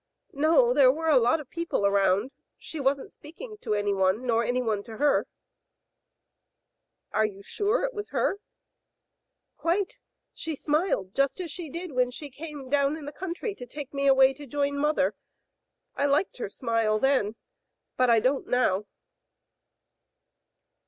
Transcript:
" No, there were a lot of people around. She wasn't speaking to anyone nor anyone to hen" "Are you sure it was her?" . "Quite; she smiled just as she did when she came down in the country to take me away to join mother. I liked her smile then, but I don't now.